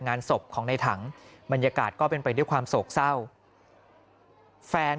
งานศพของในถังบรรยากาศก็เป็นไปด้วยความโศกเศร้าแฟน